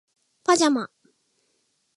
パジャマ